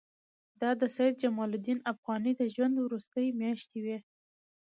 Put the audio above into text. دا د سید جمال الدین افغاني د ژوند وروستۍ میاشتې وې.